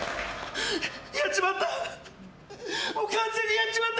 やっちまった。